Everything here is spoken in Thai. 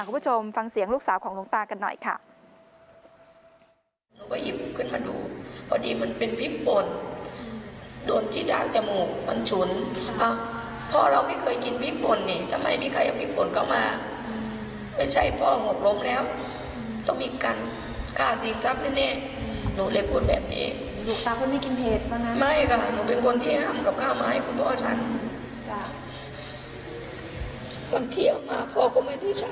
คุณผู้ชมฟังเสียงลูกสาวของหลวงตากันหน่อยค่ะ